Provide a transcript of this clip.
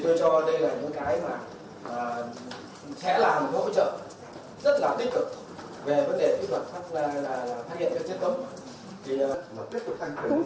thì tôi cho đây là những cái mà sẽ làm giúp hỗ trợ rất là tích cực